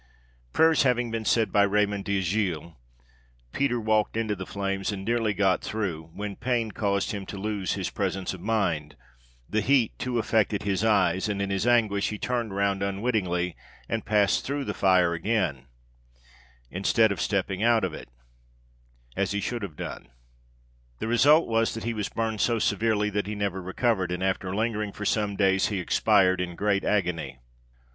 Prayers having been said by Raymond d'Agilles, Peter walked into the flames, and had got nearly through, when pain caused him to lose his presence of mind: the heat too affected his eyes, and, in his anguish, he turned round unwittingly, and passed through the fire again, instead of stepping out of it, as he should have done. The result was, that he was burned so severely that he never recovered, and, after lingering for some days, he expired in great agony.